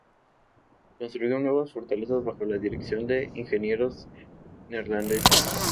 Construyó nuevas fortalezas, bajo la dirección de ingenieros neerlandeses.